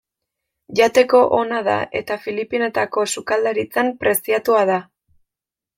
Jateko ona da eta Filipinetako sukaldaritzan preziatua da.